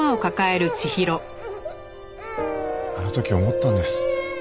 あの時思ったんです。